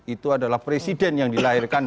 itu adalah presiden yang dilahirkan di mk